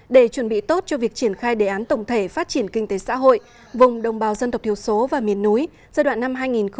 để chuẩn bị tốt cho việc triển khai đề án tổng thể phát triển kinh tế xã hội vùng đồng bào dân tộc thiếu số và miền núi giai đoạn năm hai nghìn hai mươi một hai nghìn ba mươi